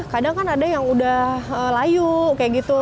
kadang kan ada yang udah layu kayak gitu